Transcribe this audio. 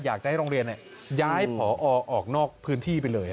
อยากจะให้โรงเรียนย้ายผอออกนอกพื้นที่ไปเลย